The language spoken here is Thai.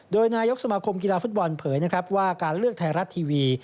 โดยนายกสมาคมกีฬาฟุตบอลเผยนะครับว่าการเลือกไทยรัฐทีวี